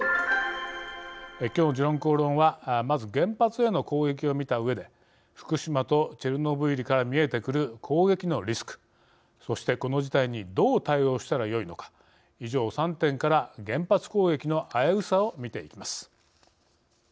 きょうの「時論公論」はまず原発への攻撃を見たうえで福島とチェルノブイリから見えてくる攻撃のリスクそして、この事態にどう対応したらよいのか以上３点から原発攻撃の危うさを見ていきます。